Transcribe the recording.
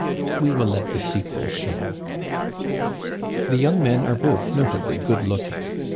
We will let the sequel show. The young men are both notably good looking.